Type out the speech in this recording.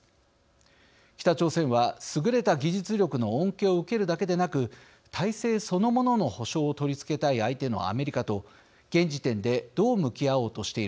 北朝鮮は優れた技術力の恩恵を受けるだけでなく体制そのものの保証を取りつけたい相手のアメリカと現時点でどう向き合おうとしているのか。